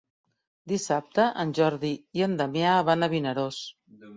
Dissabte en Jordi i en Damià van a Vinaròs.